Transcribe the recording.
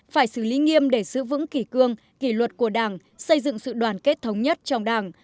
phải xử lý nghiêm để giữ vững kỷ cương kỷ luật của đảng xây dựng sự đoàn kết thống nhất trong đảng